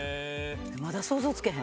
まだ想像つけへん。